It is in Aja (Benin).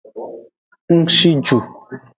Ng shi ju.